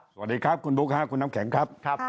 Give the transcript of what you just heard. สวัสดีครับคุณบุ๊คคุณน้ำแข็งครับ